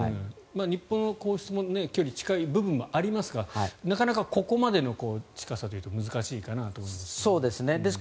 日本の皇室も距離が近い部分もありますがなかなかここまでの近さというと難しいかなと思います。